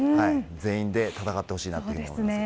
全員で戦ってほしいなと思います。